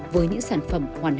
với những sản phẩm hoàn hảo